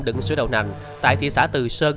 đựng sữa đầu nặng tại thị xã từ sơn